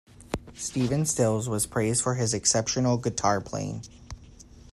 Stephen Stills was praised for his exceptional guitar playing.